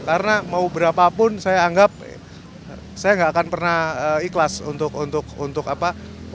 karena mau berapapun saya anggap saya nggak akan pernah ikhlas untuk apa